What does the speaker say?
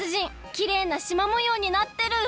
きれいなしまもようになってる！